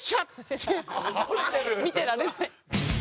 見てられない。